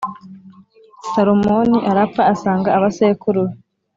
Salomoni arapfa asanga abasekuru be,